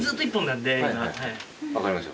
分かりました。